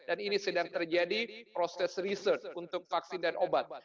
dan ini sedang terjadi proses research untuk vaksin dan obat